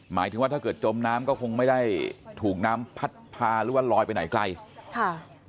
หมายถึงว่าถ้าเกิดจมน้ำก็คงไม่ได้ถูกน้ำพัดพาหรือว่าลอยไปไหนไกลค่ะ